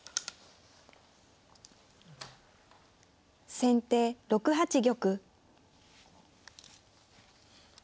先手６八玉。